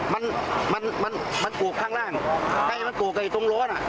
มันกรูกข้างล่างให้มันกรูกในตรงรถ